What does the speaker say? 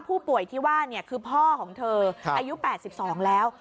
ผู้ป่วยที่ว่าคือพ่อของเธออายุ๘๒แล้ว